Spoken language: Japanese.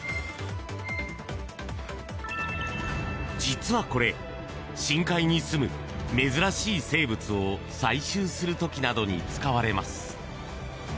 実はこれ、深海にすむ珍しい生物を採集する時などに使われます。